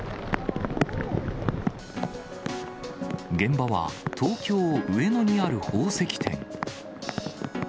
現場は東京・上野にある宝石店。